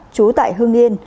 trú tại hưng yên